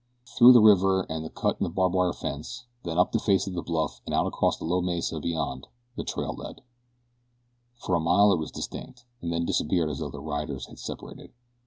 Through the river and the cut in the barbed wire fence, then up the face of the bluff and out across the low mesa beyond the trail led. For a mile it was distinct, and then disappeared as though the riders had separated.